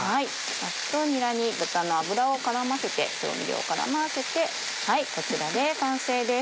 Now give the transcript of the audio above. サッとにらに豚の脂を絡ませて調味料を絡ませてこちらで完成です。